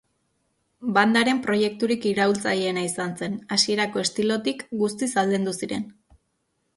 Bandaren proiekturik iraultzaileena izan zen, hasierako estilotik guztiz aldendu ziren.